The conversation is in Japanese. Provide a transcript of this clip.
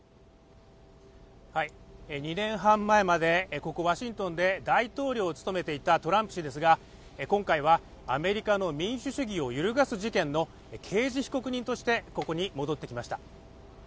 ２年半前までここワシントンで大統領を務めていたトランプ氏ですが今回はアメリカの民主主義を揺るがす事件の刑事被告人としてここに戻ってきました